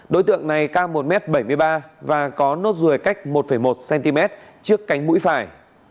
đối tượng này cao một m bảy mươi ba và có nốt ruồi cách một một cm trước cánh mũi phải